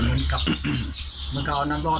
เหมือนกับเหมือนกับเอาน้ำรอด